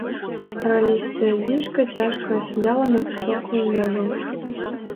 Ралістая дзічка цяжка асядала на высокую мяжу.